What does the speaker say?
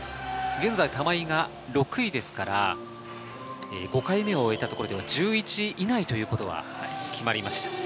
現在、玉井は６位ですから、５回目を終えたところで１１位以内ということは決まりました。